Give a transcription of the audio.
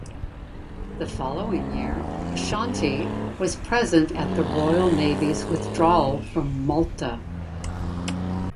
The following year "Ashanti" was present at the Royal Navy's withdrawal from Malta.